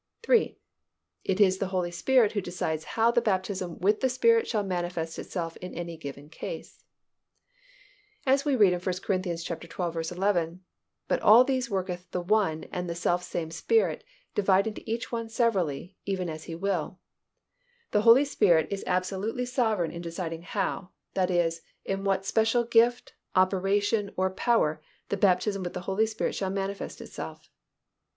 3. It is the Holy Spirit who decides how the baptism with the Spirit shall manifest itself in any given case. As we read in 1 Cor. xii. 11, "But all these worketh the one and the selfsame Spirit dividing to each one severally, even as He will." The Holy Spirit is absolutely sovereign in deciding how, that is, in what special gift, operation, or power, the baptism with the Holy Spirit shall manifest itself.